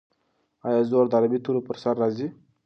آیا زور د عربي تورو پر سر راځي؟